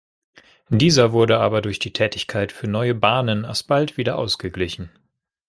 Dieser wurde aber durch die Tätigkeit für neue Bahnen alsbald wieder ausgeglichen.